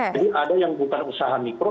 jadi ada yang bukan usaha mikro